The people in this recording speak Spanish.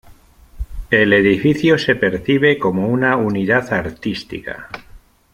El edificio se percibe como una unidad artística.